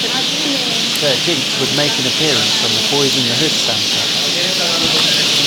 Sir Jinx would make an appearance on the Boyz n the Hood soundtrack.